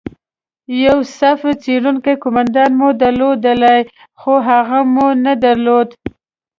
یو صف څیرونکی قومندان مو درلودلای، خو هغه مو نه درلود.